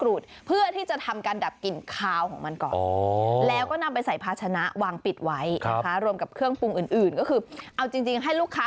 หรือว่าใครจะให้ใส่เลยก็ได้ไง